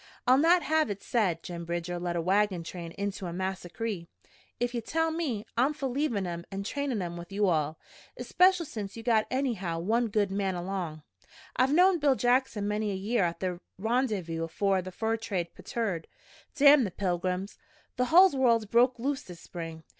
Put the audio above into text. I'll not have it said Jim Bridger led a wagon train into a massacree. If ye'll let me, I'm for leavin' 'em an' trainin' with you all, especial since you got anyhow one good man along. I've knowed Bill Jackson many a year at the Rendyvous afore the fur trade petered. Damn the pilgrims! The hull world's broke loose this spring.